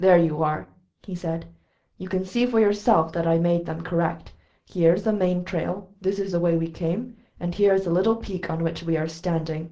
"There you are," he said. "You can see for yourself that I have made them correct. Here is the main trail, this is the way we came, and here is the little peak on which we are standing.